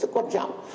rất quan trọng